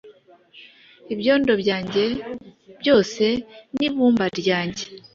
Ibyondo byanjye byose nibumba ryanjye.